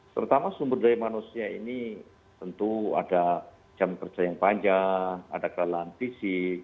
terutama sumber daya manusia ini tentu ada jam kerja yang panjang ada kelelahan fisik